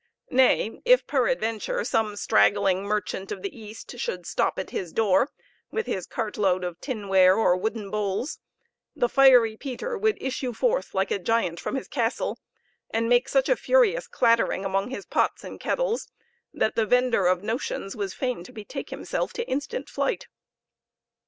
Nay, if peradventure some straggling merchant of the East should stop at his door, with his cart load of tinware or wooden bowls, the fiery Peter would issue forth like a giant from his castle, and make such a furious clattering among his pots and kettles, that the vender of "notions" was fain to betake himself to instant flight.